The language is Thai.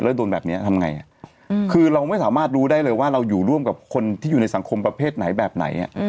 แล้วโดนแบบนี้ทำไงคือเราไม่สามารถรู้ได้เลยว่าเราอยู่ร่วมกับคนที่อยู่ในสังคมประเภทไหนแบบไหน